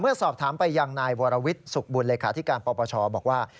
เมื่อสอบถามไปยังนายวารวิทย์สุกบุญเลยค่ะที่การปปชบอกว่า